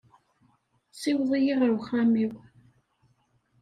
Siweḍ-iyi ɣer uxxam-iw.